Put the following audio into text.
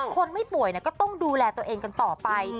คนไม่ป่วยก็ต้องดูแลตัวเองกันต่อไป